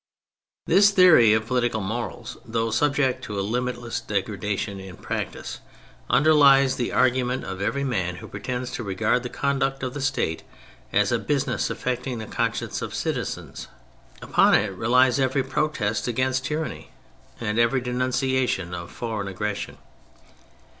This theory of political morals, though subject to a limitless degradation in practice, underlies the argument of every man who pretends to regard the conduct of the State as a business affecting the conscience of citizens. Upon it relies every protest against tyranny and every denunciation of foreign aggression.